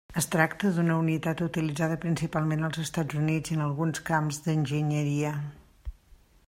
Es tracta d'una unitat utilitzada principalment als Estats Units i en alguns camps d'enginyeria.